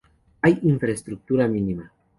Hay infraestructura mínima.